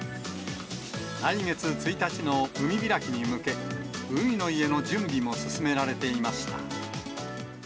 来月１日の海開きに向け、海の家の準備も進められていました。